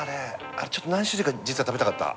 あれ何種類か実は食べたかった。